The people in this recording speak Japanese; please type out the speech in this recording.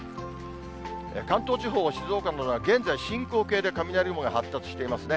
関東地方、静岡などは、現在進行形で雷雲が発達していますね。